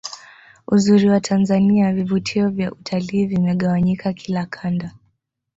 uzuri wa tanzania vivutio vya utalii vimegawanyika kila Kanda